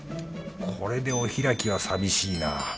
これでお開きは寂しいな。